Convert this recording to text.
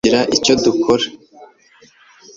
ntabwo dushobora kugira icyo dukora